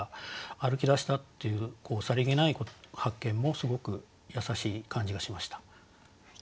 歩き出したっていうさりげない発見もすごく優しい感じがしました。